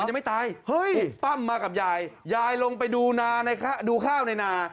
ยังไม่ตายเฮ้ยปั้มมากับยายยายลงไปดูนาดูข้าวในนา